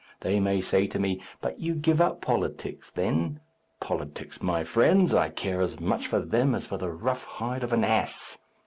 They may say to me, 'But you give up politics, then?' Politics, my friends! I care as much for them as for the rough hide of an ass.